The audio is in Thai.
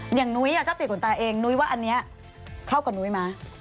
นุ้ยชอบติดขนตาเองนุ้ยว่าอันนี้เข้ากับนุ้ยไหม